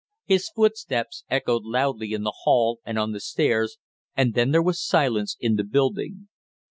His footsteps echoed loudly in the hall and on the stairs, and then there was silence in the building.